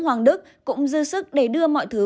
hoàng đức cũng dư sức để đưa mọi thứ